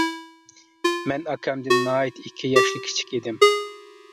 مەن ئاكامدىن ناھايىتى ئىككى ياشلا كىچىك ئىدىم.